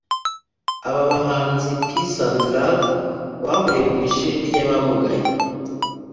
Aba bahanzi Peace and Love bahuriye ku ishuri ry’abamugaye